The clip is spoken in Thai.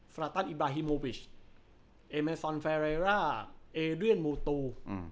ราตัสอิบราฮิโมวิชเอเมซอนแฟเรร่าเอเรียนมูตู